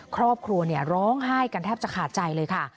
ครอบครัวร้องไห้กันแทบจะขาดใจเลยค่ะ